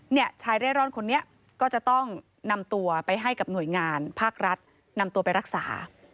ชายเร่ร่อนคนนี้ก็จะต้องนำตัวไปให้กับหน่วยงานภาครัฐนำตัวไปรักษา